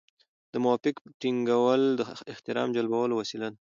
د موقف ټینګول د احترام جلبولو وسیله ده.